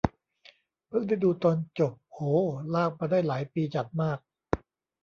เพิ่งได้ดูตอนจบ โห ลากมาได้หลายปีจัดมาก